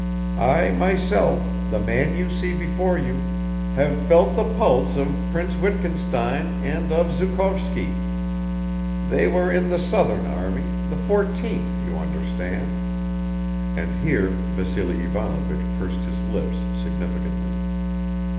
I myself, the man you see before you, have felt the pulse of Prince Wittgenstein and of Zhukovsky! They were in the southern army, the fourteenth, you understand" (and here Vassily Ivanovich pursed his lips significantly).